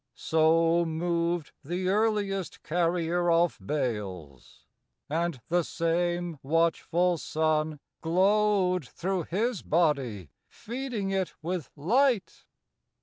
So moved the earliest carrier of bales, And the same watchful sun Glowed through his body feeding it with light.